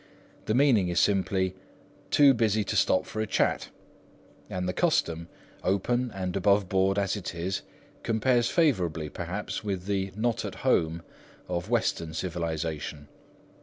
The meaning is simply, "Too busy to stop for a chat," and the custom, open and above board as it is, compares favourably perhaps with the "Not at home" of Western civilisation.